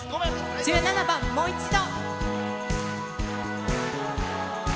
１７番「もう一度」。